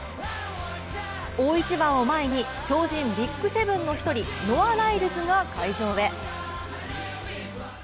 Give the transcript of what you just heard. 大一番を前に超人ＢＩＧ７の１人ノア・ライルズが会場へ。